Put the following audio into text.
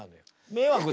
迷惑。